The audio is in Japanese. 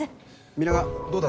皆川どうだ？